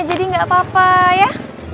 jadi nggak apa apa ya